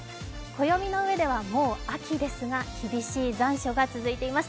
暦の上ではもう秋ですが、厳しい残暑が続いてます。